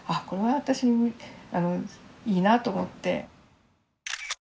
これは私にいいなと思って。